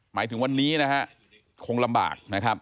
หมายถึงวันนี้คงลำบาก